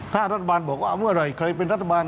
ถ้ารัฐบาลบอกว่าเมื่อไหร่ใครเป็นรัฐบาล